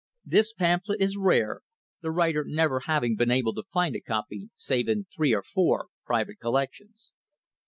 This pam phlet is rare, the writer never having been able to find a copy save in three or four private collections.